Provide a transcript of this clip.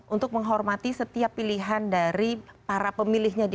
untuk menghormati setiap pilihan dari para pemilihnya di putar